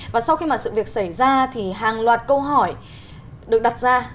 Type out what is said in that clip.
và sau khi mà sự việc xảy ra thì hàng loạt câu hỏi được đặt ra